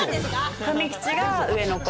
カメ吉が上の子。